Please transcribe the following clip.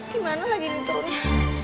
gimana lagi ini turunnya